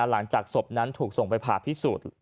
หลังจากศพนั้นถูกส่งไปผ่าพิสูจน์